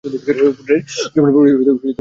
পুত্রের জন্মের পূর্বেই তিনি মৃত্যুবরণ করেন।